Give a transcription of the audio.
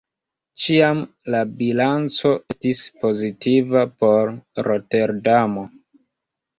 Ĉiam la bilanco estis pozitiva por Roterdamo.